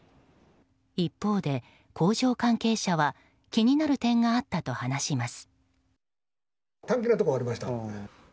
一方で工場関係者は気になる点があったと話します。